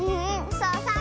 そうそう。